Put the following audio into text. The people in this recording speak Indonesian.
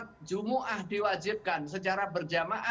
ketika sholat jumu'ah diwajibkan secara berjalan keluar